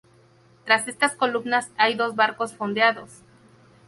Tras estas columnas hay dos barcos fondeados.